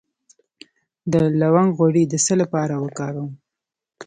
د لونګ غوړي د څه لپاره وکاروم؟